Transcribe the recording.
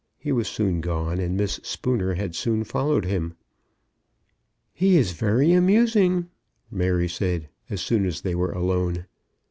He was soon gone, and Miss Spooner had soon followed him. "He is very amusing," Mary said, as soon as they were alone.